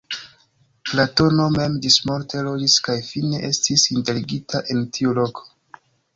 Platono mem ĝismorte loĝis kaj fine estis enterigita en tiu loko.